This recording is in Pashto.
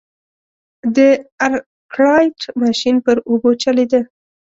د ارکرایټ ماشین پر اوبو چلېده.